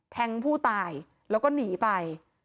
ผู้ตายแล้วก็หนีไป